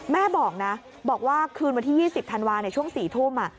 แม่บอกว่าขึ้นวันที่๒๐ธันวาซช่วง๔ทุ่ม